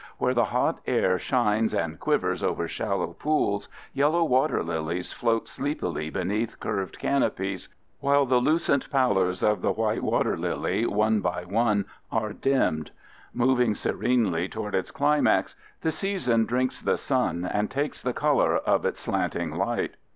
Where the hot air shines and quivers over shallow pools yellow water lilies float sleepily beneath curved canopies, while the lucent pallors of the white water lily one by one are dimmed. Moving serenely toward its climax, the season drinks the sun and takes the color of its slanting light.